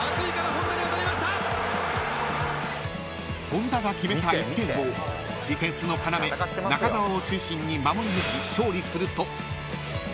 ［本田が決めた１点をディフェンスの要中澤を中心に守り抜き勝利すると］